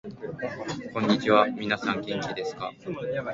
こんにちは、みなさん元気ですか？